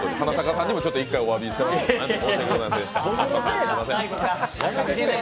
さんにも１回おわびして、申し訳ございません。